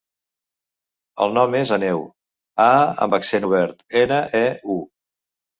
El nom és Àneu: a amb accent obert, ena, e, u.